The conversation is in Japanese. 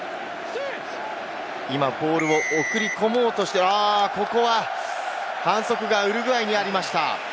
今、ボールを送り込もうとして、ここは反則がウルグアイにありました。